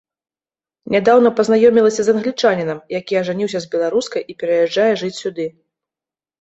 Нядаўна пазнаёмілася з англічанінам, які ажаніўся з беларускай і пераязджае жыць сюды.